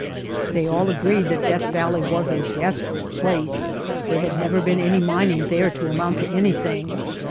They all agreed that Death Valley was a desperate place, there had never been any mining there to amount to any thing.